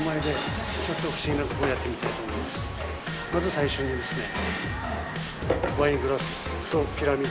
まず最初にですね。